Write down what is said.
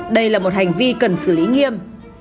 đây là một hành vi cần xử lý nghiêm